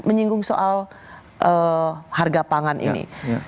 menyinggung soal harga pangan ini